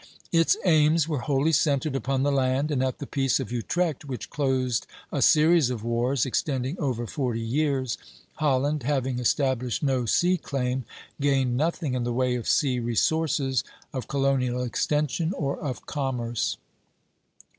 Its aims were wholly centred upon the land, and at the Peace of Utrecht, which closed a series of wars extending over forty years, Holland, having established no sea claim, gained nothing in the way of sea resources, of colonial extension, or of commerce.